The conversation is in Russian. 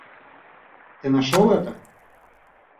Ты нашел это?